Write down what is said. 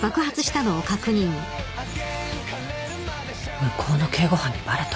向こうの警護班にバレた？